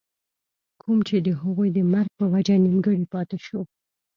کوم چې َد هغوي د مرګ پۀ وجه نيمګري پاتې شو